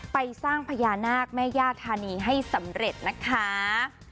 ไปสร้างพญานาคแม่ย่าธานีให้สำเร็จนะคะ